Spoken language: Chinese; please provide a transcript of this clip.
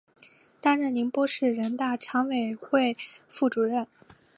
担任宁波市人大常委会副主任。